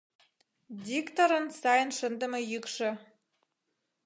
Дикторын сайын шындыме йӱкшӧ.